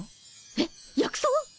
えっ薬草